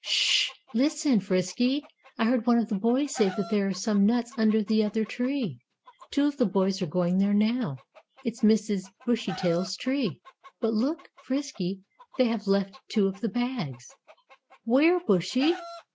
"Sh! Listen, Frisky. I heard one of the boys say that there are some nuts under the other tree. Two of the boys are going there now. It's Mrs. Bushytail's tree. But look, Frisky, they have left two of the bags." "Where, Bushy?"